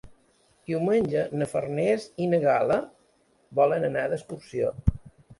Diumenge na Farners i na Gal·la volen anar d'excursió.